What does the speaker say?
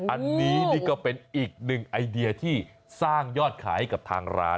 อันนี้นี่ก็เป็นอีกหนึ่งไอเดียที่สร้างยอดขายให้กับทางร้าน